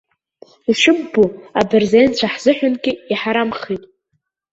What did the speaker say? Ишыббо, абырзенцәа ҳзыҳәангьы иҳарамхеит.